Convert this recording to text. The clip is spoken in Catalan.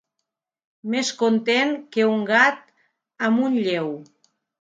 Més content que un gat amb un lleu.